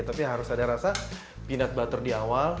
tapi harus ada rasa minat butter di awal